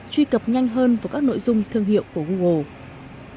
truy cập nhanh hơn vào các nội dung thương hiệu của google